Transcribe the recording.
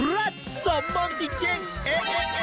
รัดสมมงค์จริงเอ๊ะ